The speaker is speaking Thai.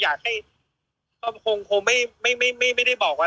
อยากให้ก็คงไม่ได้บอกว่า